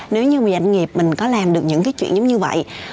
nếu như mà doanh nghiệp mình có làm được những cái chuyện giống như vậy